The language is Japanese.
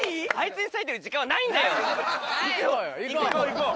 行こう！